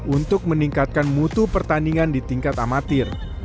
untuk meningkatkan mutu pertandingan di tingkat amatir